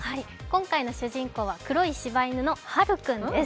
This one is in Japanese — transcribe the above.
今回の主人公は黒い柴犬のはる君です。